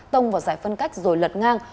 tông vào giải phân cách rồi lật ngang